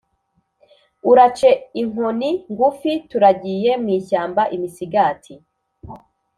Urace inkoni ngufi turagiye mu ishyamba-Imisigati.